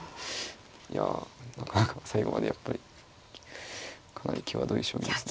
いやなかなか最後までやっぱりかなり際どい将棋ですね。